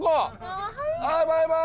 バイバイ！